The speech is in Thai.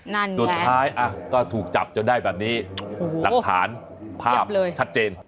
ตั้งคืนสุดท้ายอ่ะก็ถูกจับจะได้แบบนี้หูหูหลักฐานภาพชัดเจน